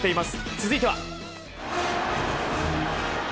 続いては。